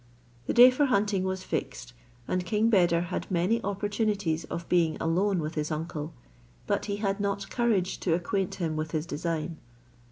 The day for hunting was fixed, and King Beder had many opportunities of being alone with his uncle; but he had not courage to acquaint him with his design.